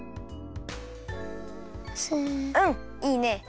うんいいね。